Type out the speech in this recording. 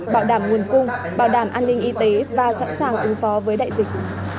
bảo đảm nguồn cung bảo đảm an ninh y tế và sẵn sàng ứng phó với đại dịch